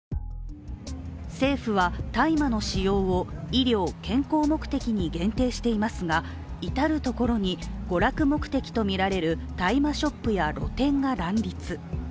政府は大麻の使用を医療・健康目的に限定していますが至る所に娯楽目的とみられる大麻ショップや露店が乱立。